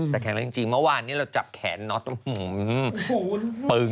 แต่แคนเล่งจริงเมื่อวานนี้เราจับแขนเอาตรงมือ